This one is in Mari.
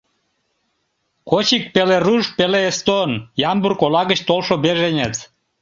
Кочик — пеле руш, пеле эстон, Ямбург ола гыч толшо беженец.